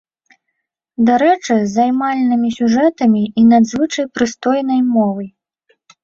Дарэчы, з займальнымі сюжэтамі і надзвычай прыстойнай мовай.